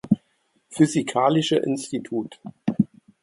Physikalische Institut.